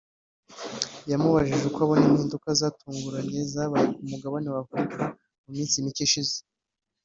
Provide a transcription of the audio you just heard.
yamubajije uko abona impinduka zitunguranye zabaye ku mugabane wa Afurika mu minsi mike ishize